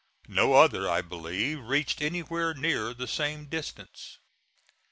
No other, I believe, reached anywhere near the same distance.